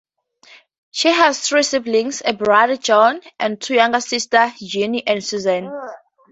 She has three siblings: a brother, John, and two younger sisters, Jeanne and Susan.